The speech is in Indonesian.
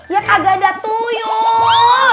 ya kagak ada tuyul